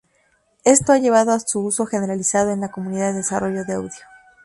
Esto ha llevado a su uso generalizado en la comunidad de desarrollo de audio.